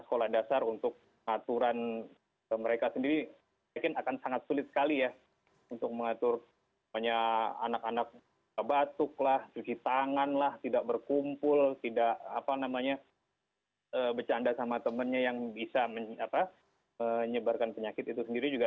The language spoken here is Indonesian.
sekolah dasar untuk aturan mereka sendiri mungkin akan sangat sulit sekali ya untuk mengatur banyak anak anak batuk lah cuci tangan lah tidak berkumpul tidak apa namanya bercanda sama temennya yang bisa menyebarkan penyakit itu sendiri juga